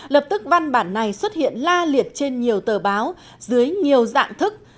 lập tức văn bản này xuất hiện la liệt trên nhiều tờ báo dưới nhiều dạng thức